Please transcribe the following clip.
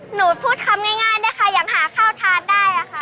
หนูพูดคำง่ายด้วยค่ะยังหาข้าวทานได้ค่ะ